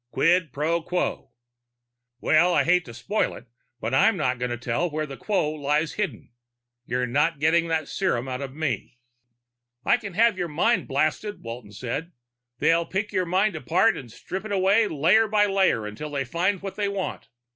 "Quid pro quo. Well, I hate to spoil it, but I'm not going to tell where the quo lies hidden. You're not getting that serum out of me." "I can have you mind blasted," Walton said. "They'll pick your mind apart and strip it away layer by layer until they find what they want.